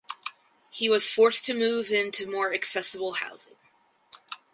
He was forced to move in to more accessible housing.